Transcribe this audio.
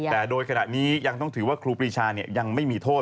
แต่โดยขณะนี้ยังต้องถือว่าครูปรีชายังไม่มีโทษ